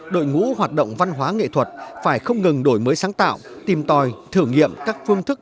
đội ngũ hoạt động văn hóa nghệ thuật phải không ngừng đổi mới sáng tạo tìm tòi thử nghiệm các phương thức